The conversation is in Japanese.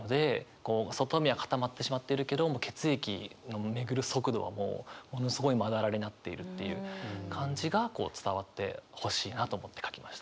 こう外見は固まってしまっているけど血液の巡る速度はもうものすごいまだらになっているっていう感じがこう伝わってほしいなと思って書きましたね。